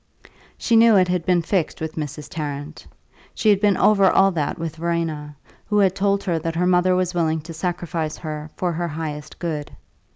She knew it had been fixed with Mrs. Tarrant; she had been over all that with Verena, who had told her that her mother was willing to sacrifice her for her highest good.